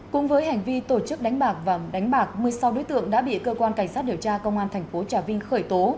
cùng với hành vi tổ chức đánh bạc và đánh bạc một mươi sáu đối tượng đã bị cơ quan cảnh sát điều tra công an thành phố trà vinh khởi tố